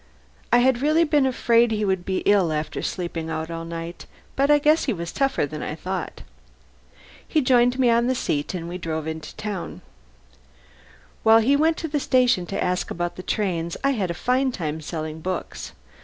I had been really afraid he would be ill after sleeping out all night, but I guess he was tougher than I thought. He joined me on the seat, and we drove into the town. While he went to the station to ask about the trains I had a fine time selling books.